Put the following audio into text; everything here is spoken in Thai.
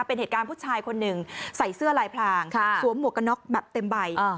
เป็นเหตุการณ์ผู้ชายคนหนึ่งใส่เสื้อลายพลางสวมหมวกกันน็อกแบบเต็มใบ